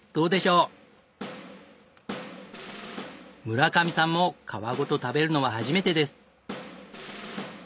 村上さんも皮ごと食べるのは初めてです。